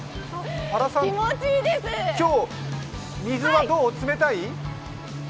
今日水はどう、冷たい？